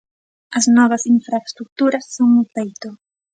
As novas infraestruturas son un feito.